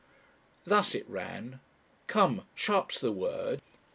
Thus it ran: "_Come! Sharp's the word.